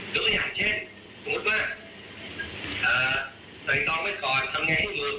หรืออย่างเช่นสมมุติว่าเอ่อตายตองไว้ก่อนทำไงให้รู้